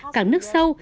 cảng nước sâu